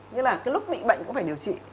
nghĩa là cái lúc bị bệnh cũng phải điều trị